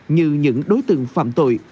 như những đối tượng phạm tội